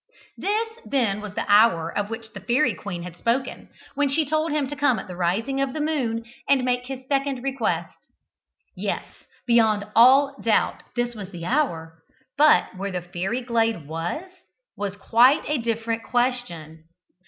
This, then, was the hour of which the Fairy Queen had spoken, when she told him to come at the rising of the moon and make his second request. Yes! beyond all doubt this was the hour; but where the Fairy glade was, was quite a different question.